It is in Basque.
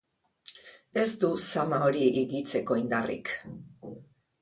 Ez du zama hori higitzeko indarrik.